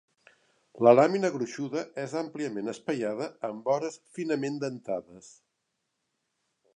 La làmina gruixuda és àmpliament espaiada amb vores finament dentades.